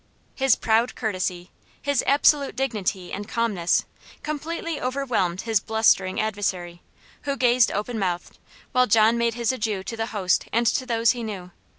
His proud courtesy, his absolute dignity and calmness, completely overwhelmed his blustering adversary; who gazed open mouthed, while John made his adieu to his host and to those he knew.